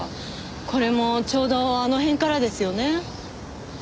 これもちょうどあの辺からですよね。